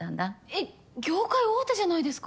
えっ業界大手じゃないですか。